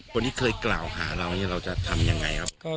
คนที่เคยกล่าวหาเรานี่เราจะทำยังไงครับ